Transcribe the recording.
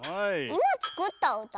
いまつくったうた？